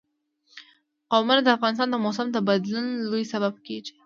قومونه د افغانستان د موسم د بدلون یو لوی سبب کېږي.